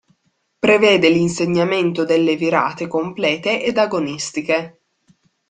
Prevede l'insegnamento delle virate complete ed agonistiche.